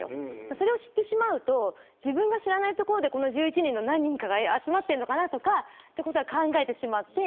それを知ってしまうと自分が知らないところで１１人の何人かが集まっているのかなと考えてしまって。